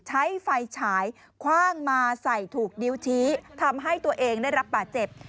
ใช้ไฟฉายคว่างมาใส่ถูกนิ้วชี้ทำให้ตัวเองได้รับบาดเจ็บ